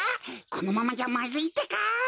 このままじゃまずいってか！